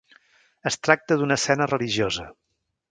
Es tracta d'una escena religiosa.